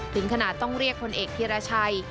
ถึงขนาดต้องเรียกพลเอกธีรชัย